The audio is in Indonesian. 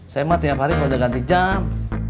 saya mah tiap hari kalau udah ganti jam